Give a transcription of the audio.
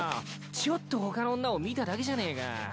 ちょっと他の女を見ただけじゃねえか。